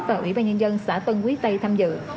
và ubnd xã tân quý tây tham dự